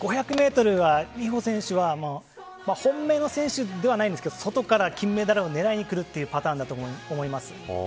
５００メートルは本命の選手ではないですけど外から金メダルを狙いにくるというパターンだと思います。